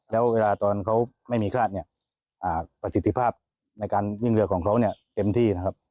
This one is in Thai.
แล้วเวลาตอนเขาไม่มีฆาตประสิทธิภาพในการวิ่งเรือของเขาเต็มที่